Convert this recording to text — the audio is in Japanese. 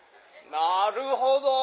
なるほど。